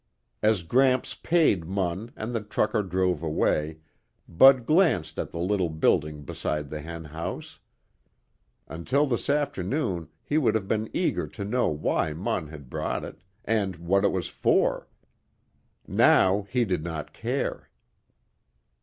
As Gramps paid Munn and the trucker drove away, Bud glanced at the little building beside the hen house. Until this afternoon he would have been eager to know why Munn had brought it and what it was for. Now he did not care.